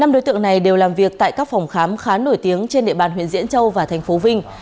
năm đối tượng này đều làm việc tại các phòng khám khá nổi tiếng trên địa bàn huyện diễn châu và thành phố vinh